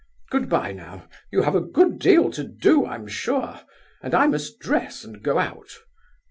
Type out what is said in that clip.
Good bye now; you have a good deal to do, I'm sure, and I must dress and go out.